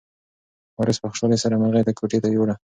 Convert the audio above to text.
وارث په خوشحالۍ سره مرغۍ کوټې ته یووړه.